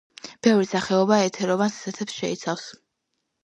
ბევრი სახეობა ეთეროვან ზეთებს შეიცავს.